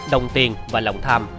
đồng tiền và lòng tham